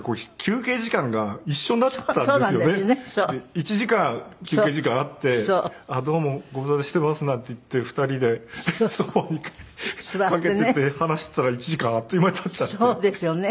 １時間休憩時間あって「どうもご無沙汰しています」なんて言って２人でソファにかけていて話していたら１時間あっという間に経っちゃって。